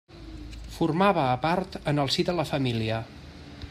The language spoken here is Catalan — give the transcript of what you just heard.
Formava a part en el si de la família.